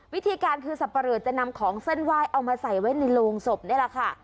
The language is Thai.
วิธีการคือสับปะเลอจะนำของเส้นไหว้เอามาใส่ไว้ในโรงศพนี่แหละค่ะ